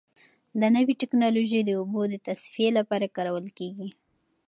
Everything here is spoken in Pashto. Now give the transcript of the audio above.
دا نوې ټیکنالوژي د اوبو د تصفیې لپاره کارول کیږي.